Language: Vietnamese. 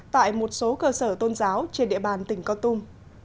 tại một số cơ sở tôn giáo trên địa bàn tỉnh con tum